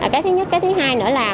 cái thứ nhất cái thứ hai nữa là